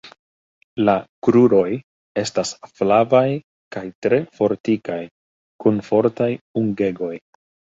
La kruroj estas flavaj kaj tre fortikaj kun fortaj ungegoj.